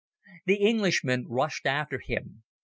The Englishman rushed after him.